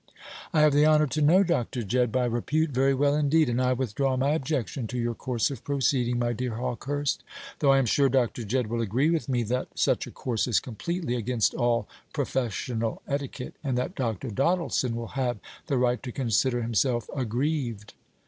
"I have the honour to know Dr. Jedd by repute very well indeed, and I withdraw my objection to your course of proceeding, my dear Hawkehurst; though I am sure Dr. Jedd will agree with me that such a course is completely against all professional etiquette, and that Dr. Doddleson will have the right to consider himself aggrieved."